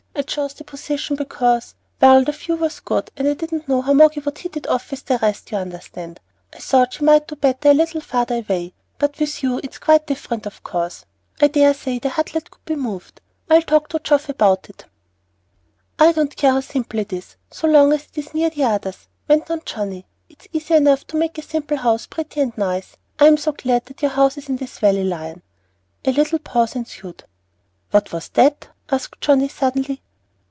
I chose the position because well, the view was good, and I didn't know how Moggy would hit it off with the rest, you understand. I thought she might do better a little farther away; but with you it's quite different of course. I dare say the Hutlet could be moved; I'll talk to Geoff about it." "I don't care how simple it is, so long as it is near the others," went on Johnnie. "It's easy enough to make a simple house pretty and nice. I am so glad that your house is in this valley, Lion." A little pause ensued. "What was that?" asked Johnnie, suddenly.